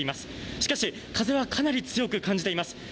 しかし風はかなり強く感じています。